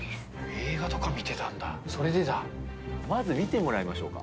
映画とか見てたんだ、それでまず見てもらいましょうか。